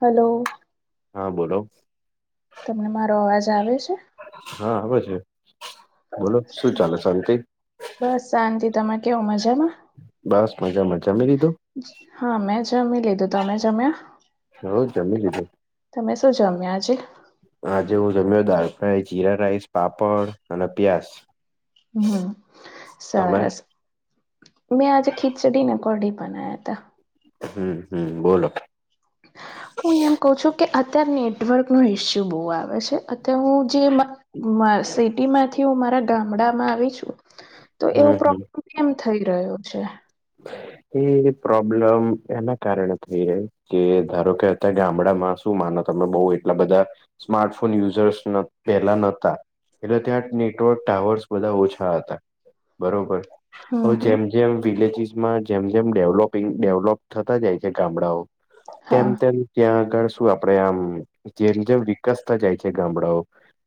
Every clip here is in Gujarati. હલોવ હા બોલો તમને મારો અવાજ આવે છે. હા આવે છે બોલો શું ચાલે શાંતિ? બસ શાંતિ તમે કેવો મજામાં બસ મજામાં જમી લીધું હા મેં જમી લીધું તમે જમ્યા? હવ જમી જીધું તમે શું જમ્યા આજે? આ જે હું જમ્યો દળ ફ્રાય જીરા રાઈસ પાપડ અને પ્યાસ હમ તમે સરસ મેં આજે ખીચડી ને કોઢી બનાયા હતા હમ હમ બોલો હું એમ કહ છું કે અત્યારે નેટવર્કનો ઇસ્યુ બહુ આવે છે અત્યારે હું જે સિટી માંથી હું મારા ગામડા માં આવી છું તો એવો હમ હમ પ્રોબ્લમ કેમ થઈ રહ્યો છે. એ પ્રોબ્લેમ એના કારણે થઈ જાય કે ધારો કે હતા કે ગામડામાં શું માનો તમે બઉ એટલા બધા સ્માર્ટફોન યુઝર્સ પહેલા નતા એટલે ત્યાં નેટવર્ક ટાવર્સ બધા ઓછા હતા બરોબર હ હમ હમ જેમ જેમ વિલેજીસ માં જેમ જેમ ડેવલોપિંગ ડેવલોપ થતા જાય છે ગામડાઓ તેમ હા તેમ ત્યાં આગળ શું આપડે આમ જેમ જેમ વિકસતા જાય છે ગામડાઓ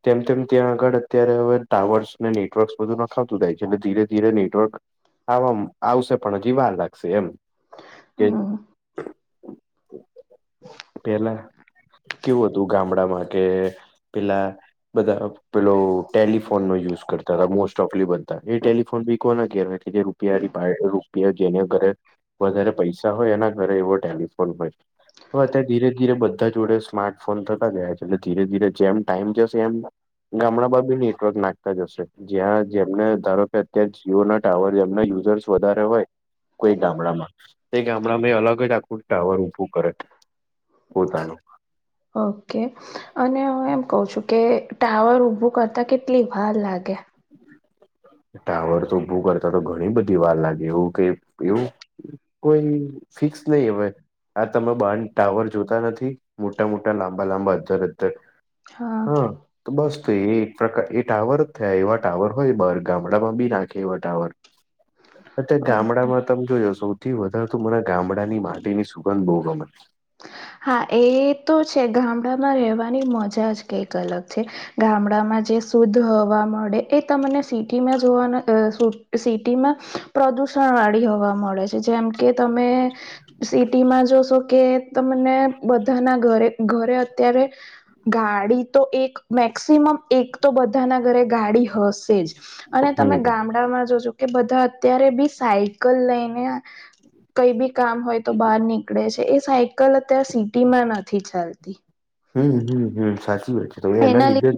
તેમ તેમ ત્યાં આગળ અત્યારે હવે ટાવર્સ ને નેટવર્કસ બધું નખાવતું જાય છે એટલે ધીરે ધીરે નેટવર્ક હામ આવ સ. પણ હજી વાર લાગશે એમ કે. હમ પેલા કેવું હતું ગામડામાં કે પેલા. બધા પેલો ટેલિફોન નો યુઝ કરતા હતા મોસ્ટ ઓફલી બનતા એ ટેલિફોન વીકવાના કહેરય જે ર. ર રૂપિયા જેને ઘરે વધારે પૈસા હોય એના ઘરે એવો ટેલિફોન હોય. હ અત્યારે ધીરે ધીરે બધા જોડે સ્માર્ટફોન થતા જયા છે એટલે ધીરે ધીરે જેમ ટાઈમ જશે એમ. ગામડા બાબી નેટવર્ક નાખતા જ હશે. જ્યાં જેમને ધારો કે અત્યારે જીઓ ના ટાવર જેમના યુઝર્સ વધારે હોય. કોઈ ગામડામાં તે ગામડામાં અલગજ આખું ટાવર ઉઊભું કરે. પોતાનું. ઓકે અને હ એમ કહ છું કે ટાવર ઉઊભું કરતા કેટલી. ભાલાગે. ટાવર તો ભું કરતા તો ઘણી બધી વાર લાગે એવું કે એવું. કોઈ ફિક્સ નહી હવે. આ તમે બ ટાવર જોતા નથી મોટા મોટા લાંબા લાંબા અધર અર. હા તો બસ તો એ એક પ્રકાર એ ટાવરજ થયા એવા ટાવર હોય બાર. ગામડામાં બી નાખે એવ ટાવર ઓકે ગામડામાં. ત જો સૌથી વધારે મરા ગામડાની માટીની સુગંધ બોગ મને. હા એ તો છે ગામડામાં રહેવાની મજા જ કઈક અલગ છે. ગામડામાં જે શુદ્ધ હવા મળે એ તમને સિટીમાં જોવાના શ. સિટીમાં પ્રદુષણ વાળી હવા મળે છે જેમ કે તમે. સિટીમાં જોશો કે. તમને બધાના ઘરે ઘરે અત્યારે ગાડી તો એક. મેક્સિમમ એક તો બધાના ઘરે ગાડી હશેજ અને તમે હમ ગામડામાં જોજો. કે બધા અત્યારે બી સાયકલ લઈને. કઈ બી કામ હોય તો બહાર નીકળે છે એ સાયકલ અત્યારે સિટી માં નથી ચાલતી. હમ હમ હમ સાચી વાત છે તમે એના લીધે જ.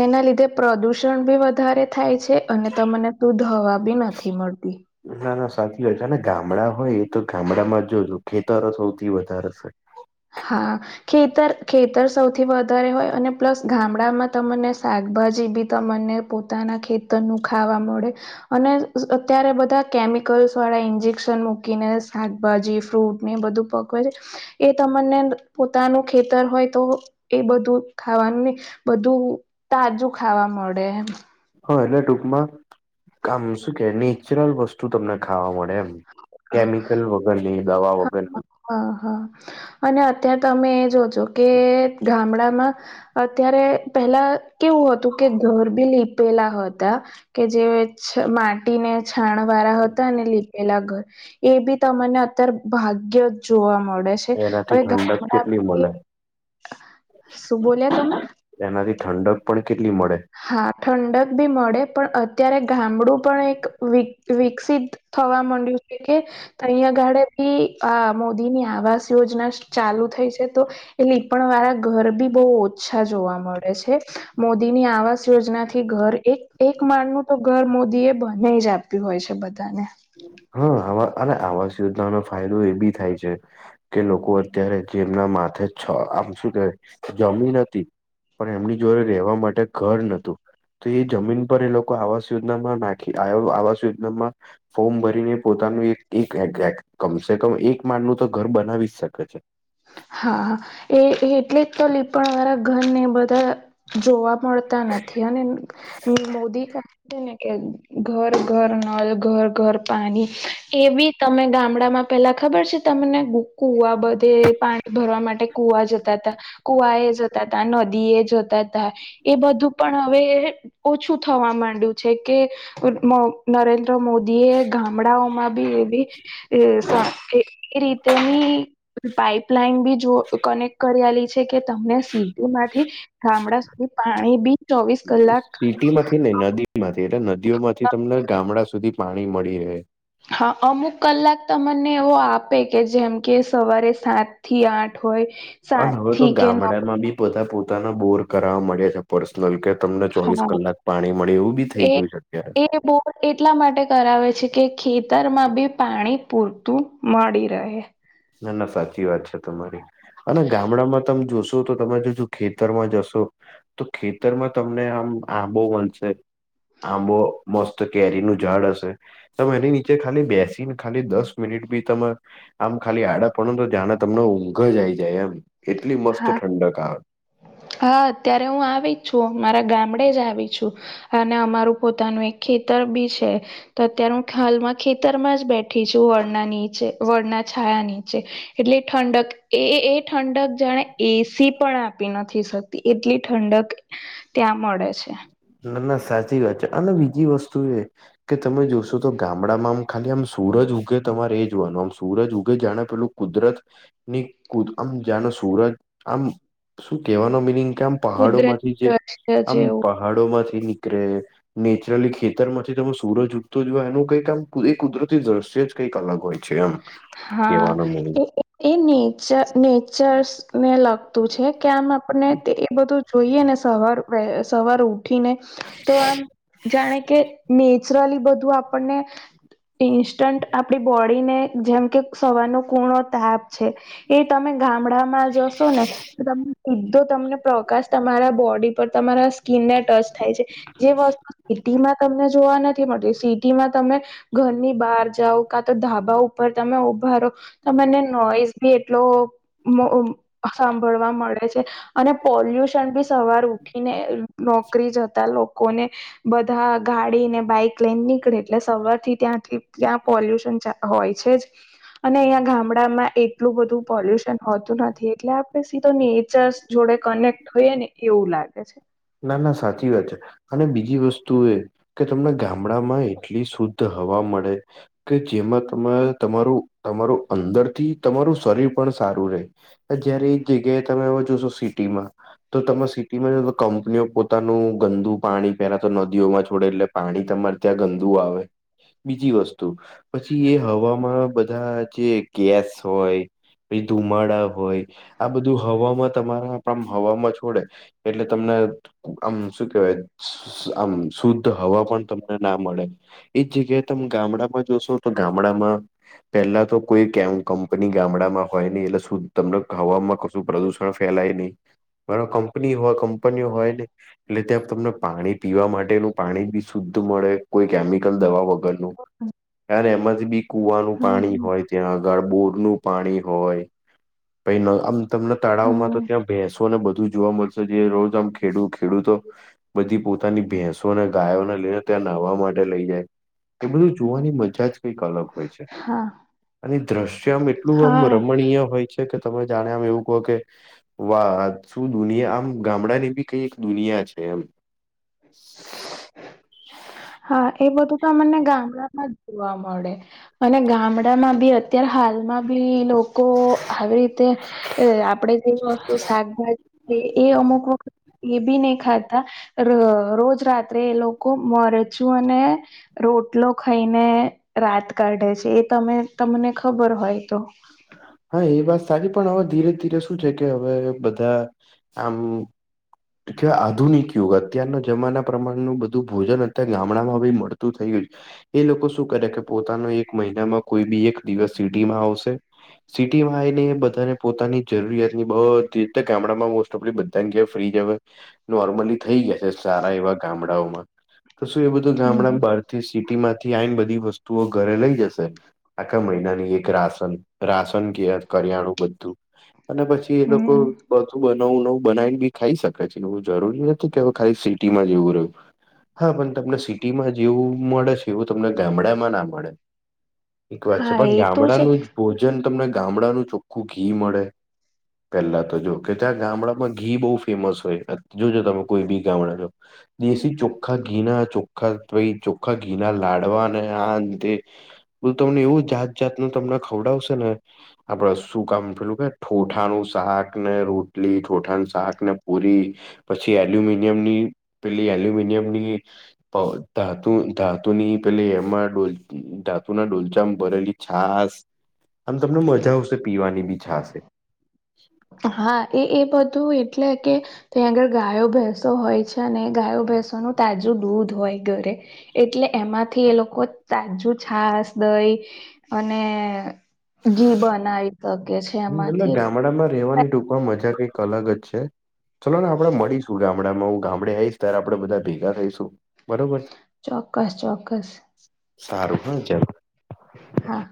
એના લીધે પ્રદુષણ બી વધારે થાય છે અને તમને દૂધ હવા બી નથી મળતી. ના ના સાચી વાત છે અને ગામડા હોય એ તો ગામડામાં જોજો ખેતરો સૌથી વધારે છે. હા. ખેતર ખેતર સૌથી વધારે હોય અને પ્લસ ગામડામાં તમને શાકભાજી બી તમને. પોતાના ખેતરનું ખાવા મળે અને. ત્યારે બધા કેમિકલ્સવાળા ઇન્જેક્શન મૂકીને શાકભાજી ફ્રૂટને એ બધું પકવે છે. એ. તમને પોતાનું ખેતર હોય તો એ બધું ખાવાનું બધું. તાજું ખાવા મળે એમ. હ એટલે ટૂંકમાં આમ શું કે નેચરલ વસ્તુ તમને ખાવા મળે એમ. હા કેમિકલ વગર લઈ દવા વગર લ. હ હા અને અત્યારે તમે એ જોજો કે ગામડામાં. અત્યારે પેલા કેવું હતું કે ઘર બી લીપેલા હતા. કે જે માટીને છાણ વાળા હતા ને લીપેલા ઘર. એ બી તમને અત્યારે ભાગ્ય જ જોવા મળે છે. એનાથી હવે ઠંડક ગામડા કેટલી મળે શું બોલ્યા તમે. એનાથી ઠંડક પણ કેટલી મળે. હા ઠંડક બી મળે પણ અત્યારે ગામડું પણ એક વિકસિત. થવા માંડ્યું છે કે તહીંયાગાડે ભી આ મોદી ની આવાસ. યોજના ચાલુ થઈ છે તો એ પણ વારા. ઘર બી બહુ ઓછા જોવા મળે છે મોદી. એની આવાસ યોજના થી ઘર એક એક માળનુંું તો ઘર મોદી એ બનેજ આપ્યું હોય છે બધાને. હા આ અરે આવાસ યોજનાનો ફાયદો એ બી થાય છે. કે લોકો અત્યારે જેમના માથે છ, આમ શું કેહેવાય જમીન હતી. પણ એમની જોડે રહેવા માટે ઘર નતુ તો એ જમીન પર એ લોકો આવાસ યોજનામાં નાખી આવાસ યોજનામાં ફોર્મ ભરીને પોતાનું એક કમસે કમ એક માનનું તો ઘર બનાવી જ શકે છે. હા એ એટલે જ તો લીપણ વારા ઘરને બધા જોવા મળતા નથી અને મોદી કને કે ઘર ઘર નલ ઘર ઘર પાણી એ બી તમે ગામડામાં. પેલા ખબર છે, તમને ગુકુ આ બધે પાણી ભરવા માટે કુવા જતા હતા કુવા એ જતા હતા નદી એ જતા તા એ બધું પણ હવે ઓછું થવા માંડ્યું છે, કે નરેન્દ્ર મોદી એ ગામડાઓમાં બી એવી એ રીતેની પાપ લાઈન બી જો કનેક્ટ કરેલી છે. કે તમને સીધમાંથી ગામડા સુધી પાણી બી ચોવીસ કલાક ટી માંથી ને નદીમાંથી એટલે નદીઓમાંથી તમને ગામડા સુધી પાણી મળી રહે હા, અમુક કલાક તમને એવો આપે કે જેમ કે સવારે સાત થી આઠ હોય, અને સાત હવે તો થી કે નવ ગામડામાં બી બધા પોતાના બોર કરાવવા મળ્યા છે, પર્સનલ કે તમને ચોવીસ હા કલાક પાણી મળે એવું બી થઇ એ ગયું શક્ય એ બોર એટલા માટે કરાવે છે, કે ખેતરમાં બી પાણી પૂરતું મળી રહે ના ના સાચી વાત છે, તમારી અને ગામડામાં તમે જોશો તો તમે જોજ ખેતરમાં જશો તો ખેતરમાં તમને આમ આબો બનશે આંબો મસ્ત કેરીનુ ઝાડ હશે તમે એની નીચે ખાલી બેસી ને ખાલી દસ મિનિટ બી તમે આમ ખાલી આડા પણ તો જ્યાને, તમને ઊંઘ જ આઈ જાય એમ એટલી મસ્ત હા ઠંડક આવે હા અત્યારે હું આવી છું મારા ગામડે જ આવી છુ. અને અમારું પોતાનું એક ખેતર બી છે. તો અત્યારે હું હાલમાં ખેતરમાં જ બેઠી છુ, વળના નીચે વળના છાયા નીચે એટલે ઠંડક એ એ ઠંડક જાણે એસી પણ આપી નથી. નથી શકતી એટલી ઠંડક ત્યાં મળે છે. ના ના સાચી વાત છે, અને બીજી વસ્તુ એ કે તમે જોશો તો ગામડામાં આમ ખાલી આમ સૂરજ ઉગે તમારે એ જોવાનું આમ સૂરજ ઉગે જાણે પેલુ કુદરત ની કુ આમ જાણો સુરજ આમ શું કહેવાનો મિનિંગ કે આમ પહાડો માંથી કુદરતી જે દ્રશ્ય આમ જેવું પહાડો માંથી નીકળે નેચરલી ખેતર માંથી તમે સૂરજ ઉગતો જો એનું કઈ કામ કુદરતી દ્રશે જ કંઈક અલગ હોય. છે એમ હા કહેવાનો મિનિંગ એ નેચર નેચર્સ ને લગતું છે, કે આમ આપને એ બધુ જોઈએ ને સવાર સવાર ઉઠીને તો આમ જાણે કે નેચરલી બધું આપણને ઈન્સ્ટન્ટ આપડી બોડીને જેમ કે સવારનો કુણો તાપ છે. એ તમે ગામડામાં જશો ને ત એધો તમને પ્રકાશ તમારા બોડી પર તમારા સ્કીિનને ટચ થાય છે. જે વસ્તુ સિટી માં તમને જોવા નથી. નથી મળતી સિટીમાં તમે ઘરની બહાર જાઓ કા તો ધાબા ઉપર તમે ઉભા રહો. ત મને નોઈઝ બી એટલો સાંભળવા મળે છે. અને પોલ્યુશન બી સવાર ઉઠીને નોકરી જતા લોકોને બધા ગાડી ને બાઈક લઈને નીકળે એટલે સવાર થી ત્યાંથી ત્યાં પોલ્યુશન હોય. અંયા ગામડામાં એટલું બધું પોલ્યુન હોતું નથી એટલે આપે સીધો નેચર જોડે કનેક્ટ હોઈએ ને એવું લાગે છે. ના ના સાચી વાત છે અને બીજી વસ્તુ એ કે તમને ગામડામાંય એટલી શુદ્ધ હવા મળે કે જેમાં તમા તમારું તમારું અંદરથી તમારું શરીર પણ સારું રહે જયારે એ જગ્યાએ તમે હ જોશો સિટીમાં તો તમે સિટીમાં જો કંપનીઓ પોતાનું ગંદુ પાણી પેલા તો નદીઓમાં છોડે એટલે પાણી તમારે ત્યાં ગંદુ આવે બીજી વસ્તુ પછી એ હવામાં બધા જે ગેસ હોય પછી ધુમાડા હોય આ બધું હવામાં તમારા હવામાં છોડે એટલે તમને આમ શું કેવાય આમ શુદ્ધ હવા પણ તમને ના મળે જગ્યા તમે ગામડામાં જોશો તો ગામડામાં પેલા તો કોઈ કમ કંપની ગામડામાં હોય ન એટલે શ તમને હવામાં કું પ્રદુષણ ફેલાય નહી [inaudible] બરાબ કંપની હોય કંપનીઓ હોય ને એટલે ત્યાં તમને પાણી પીવા માટેનું પાણી બી શુદ્ધ મળે કોઈ કેમિકલ દવા વગરનું હમ તાર એમાં જ બી કુવાનું પાણી હમ હોય ત્યાં ગરબૂર નું પાણી હોય પ આમ તમને તળાવમાં તો હમ ત્યાં ભ બેસો ને બધું જોવા મળશે જે રોજ મ ખેડૂ ખેડૂતો બધી પોતાની ભેસ શુને ગાયોને લઈને ત્યાં નહવા માટે લઈ જાય એ બધું જોવાની મજા જ કંઈક અલગ હોય છે હા અને દ્રશ્ય આમ એટલું આમ હા રમણીય હોય છે કે તમે જાણે આમ એવું કહો કે વા શું દુનિયા આમ ગામડાની બી એક દુનિયા છે એમ હા એ બધું તો અમને ગામડામાં જ જોવા મળે અને ગામડામાં બી અત્યારે હાલમાં બી લોકો આવી રીતે એ આપડે જેવી વસ્તુ શાકભાજી એ અમુક વખત એ બી નહી ખાતા રોજ રાત્રે એ લોકો મરેચું અને રોટલો ખાઈને રાત કાઢે છે એ તમે તમને ખબર હોય તો હા એ વાત સારી પણ હવે ધીરે ધીરે શું છે કે હવે બધા આમ કે આધુનિક યુગ અત્યારના જમાના પ્રમાણનું બધું ભોજન અત્યારે ગામડામાં બી મળતું થયું એ લોકો શું કરે કે પોતાનો એક મહિનામાં કોઈ બી એક દિવસ સિટીમાં આવશે સિટીમાં આવીને બધાને પોતાની જરૂરિયાત ની બ ગામડામાં મોસ્ટ ઓફલી બધા ગેફ ફ્રીજ હવે નોર્મલી થઈ ગયા છે સારા એવા ગામડાઓમાં તો શું એ બધું હમ ગામડા બહાર થી સિટીમાંથી આવીને બધી વસ્તુઓ ઘરે લઈ જશે આખા મહિનાની એક રાસન રાશન ક કરિયાણું બધું અને પછી એ લોકો હમ બધું બનાવું નવું બનાવી બી ખાઈ શકે છેને એવું જરૂરી નથી કે હવે ખાલી સિટીમાં જેવું રહ્યું હા પણ તમને સિટીમાં જેવું મળે છે એવું તમને ગામડામાં ના મળે એક વાત છે હા પણ એ તો છે ગામડાનું જ ભોજન તમને ગામડાનું ચોખ્ખું ઘી મળે પેલા તો જો કે ત્યાં ગામડામાં ઘી બહુ ફેમસ હોય જોજ તમે કોઈ બી ગામડાો દેશી ચોખ્ખા ઘીના ચોા પ ચોખ્ખા ઘીના લાડવાને આ અંતે બલું તમને એવું જાત જાત ન તમને ખવડાવશે ને આપડ શું કામ પેલું કે ઠોઠાનું શાક ને રોટલી ઠાનું શાક ને પૂરી પછી એલ્યુમિનિયમ ની પેલી એલ્યુમિનિયમ ની પ ધાતુ ધાતુની પે એમાં ડોલ ધાતુ ના ડોલચામાં ભરેલી છાસ આમ તમને મજા આવશે પીવાની બી છાાસ હા એ એ બધું એટલે કે તંયા આગળ ગાયો ભેંસો હોય છે ને ગાયો ભેંસોનું તાજું દૂધ હોય ઘરે એટલે એમાંથી એ લોકો તાજું છાસ દઈ અને ઘી બનાવી શકે છે એમાંથી ડામાં રેવાની ટૂંકવામાં મજા કઈક અલગ જ છે ચલો ને આપડે મળીશું ગામડામાં હું ગામડે આવીશ ત્યારે આપડે બધા ભેગા થઈશું બરોબર ચોક્કસ ચોક્કસ સારું પણ ચાલ હા